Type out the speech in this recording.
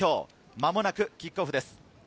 間もなくキックオフです。